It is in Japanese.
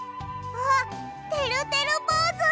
あってるてるぼうず！